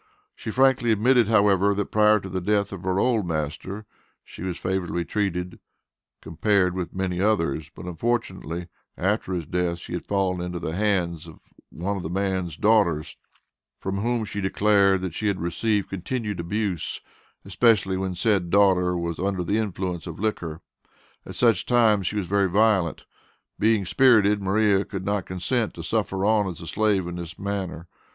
She frankly admitted, however, that prior to the death of her old master, she was favorably treated, compared with many others; but, unfortunately, after his death, she had fallen into the hands of one of the old man's daughters, from whom, she declared, that she had received continued abuse, especially when said daughter was under the influence of liquor. At such times she was very violent. Being spirited, Maria could not consent to suffer on as a slave in this manner.